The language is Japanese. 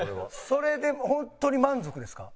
それでホントに満足ですか？